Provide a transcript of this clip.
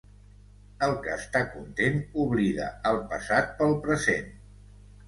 El que està content, oblida el passat pel present.